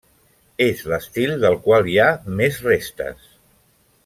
És l'estil del qual hi ha més restes.